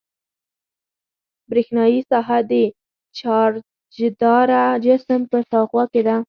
برېښنايي ساحه د چارجداره جسم په شاوخوا کې ده.